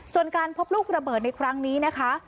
ส่วนการพบลูกระเบิดในครั้งนี้นะคะ